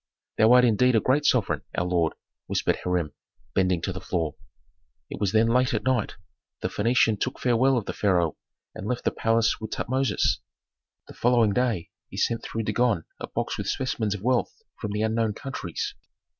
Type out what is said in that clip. "Thou art indeed a great sovereign, our lord," whispered Hiram, bending to the floor. It was then late at night. The Phœnician took farewell of the pharaoh and left the palace with Tutmosis. The following day he sent through Dagon a box with specimens of wealth from the unknown countries.